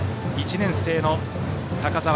１年生の高澤。